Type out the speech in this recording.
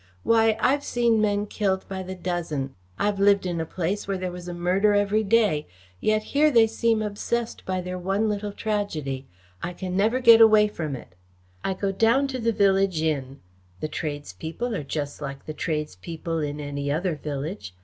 Why, I've seen men killed by the dozen. I've lived in a place where there was a murder every day. Yet here they seem obsessed by their one little tragedy. I can never get away from it. I go down to the village inn. The tradespeople are just like the tradespeople in any other village.